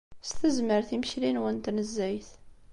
S tezmert imekli-nwen n tnezzayt.